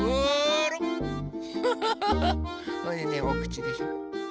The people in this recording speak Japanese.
それでねおくちでしょ。